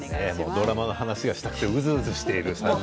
ドラマの話がしたくてうずうずしている２人。